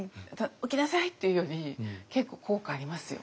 「起きなさい」って言うより結構効果ありますよ。